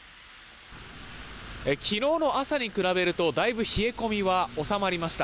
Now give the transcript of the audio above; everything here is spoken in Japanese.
昨日の朝に比べるとだいぶ冷え込みは収まりました。